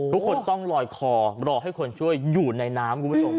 ทุกคนต้องรอยคอรอให้คนช่วยอยู่ในน้ำ